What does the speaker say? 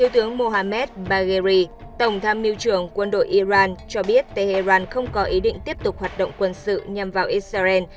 tổng tham miêu trưởng quân đội iran cho biết tehran không có ý định tiếp tục hoạt động quân sự nhằm vào israel